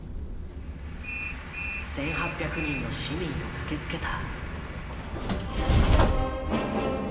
１，８００人の市民が駆けつけた。